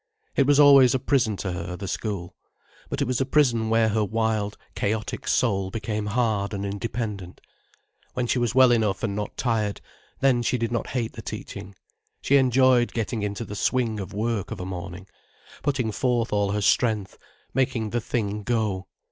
It was always a prison to her, the school. But it was a prison where her wild, chaotic soul became hard and independent. When she was well enough and not tired, then she did not hate the teaching. She enjoyed getting into the swing of work of a morning, putting forth all her strength, making the thing go.